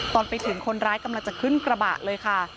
ตอนไปถึงคนร้ายกำลังจะขึ้นกระบะเลยค่ะ